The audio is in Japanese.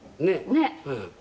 ねっ。